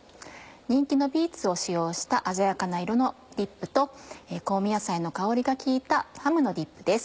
人気のビーツを使用した鮮やかな色のディップと香味野菜の香りが効いた「ハムのディップ」です。